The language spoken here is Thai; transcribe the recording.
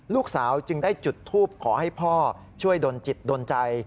ลูกสาวจึงได้จุดทูปขอให้พ่อช่วยดนตร์จิตดนใจ